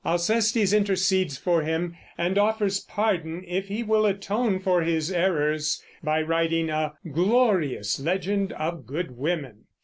Alcestis intercedes for him, and offers pardon if he will atone for his errors by writing a "glorious legend of good women."